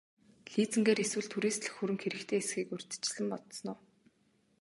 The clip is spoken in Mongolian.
Лизингээр эсвэл түрээслэх хөрөнгө хэрэгтэй эсэхийг урьдчилан бодсон уу?